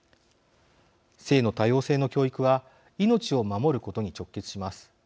性の多様性の教育は命を守ることに直結します。